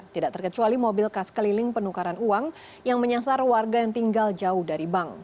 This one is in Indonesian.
tidak terkecuali mobil kas keliling penukaran uang yang menyasar warga yang tinggal jauh dari bank